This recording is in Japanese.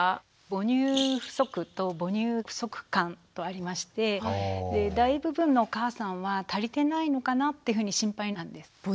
「母乳不足」と「母乳不足感」とありまして大部分のお母さんは足りてないのかなってふうに心配になってると。